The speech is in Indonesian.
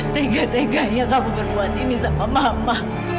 tiga tiga yang aku berbuat ini sama mama